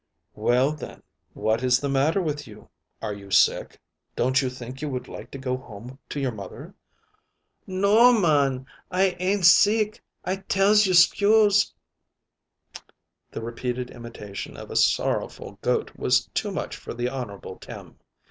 "Well, then what is the matter with you? Are you sick? Don't you think you would like to go home to your mother?" "No o o oh m a a an; I ain't sick. I tells you 'scuse." The repeated imitation of a sorrowful goat was too much for the Honorable Tim.